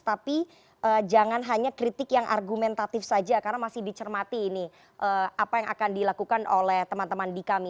tapi jangan hanya kritik yang argumentatif saja karena masih dicermati ini apa yang akan dilakukan oleh teman teman di kami